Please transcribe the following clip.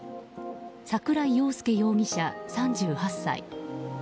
桜井庸輔容疑者、３８歳。